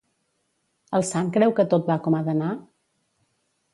El sant creu que tot va com ha d'anar?